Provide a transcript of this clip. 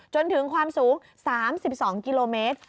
จนถึงความสูง๓๒กิโลเมตร